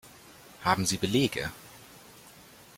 Haben Sie Belege?